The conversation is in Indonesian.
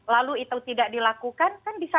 lalu itu tidak dilakukan kan bisa